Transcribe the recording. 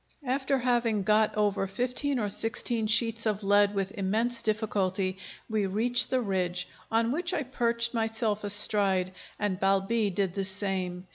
After having got over fifteen or sixteen sheets of lead with immense difficulty, we reached the ridge, on which I perched myself astride, and Balbi did the same.